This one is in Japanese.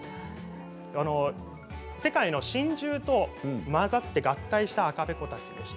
世界の神獣と混ざって合体した赤べこです。